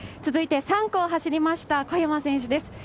続いて３区を走りました小山選手です。